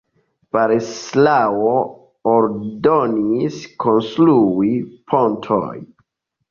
Boleslao ordonis konstrui pontojn.